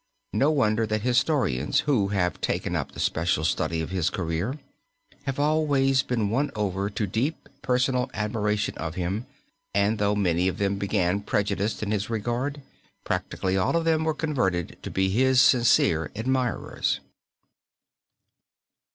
No wonder that historians who have taken up the special study of his career have always been won over to deep personal admiration of him, and though many of them began prejudiced in his regard, practically all of them were converted to be his sincere admirers.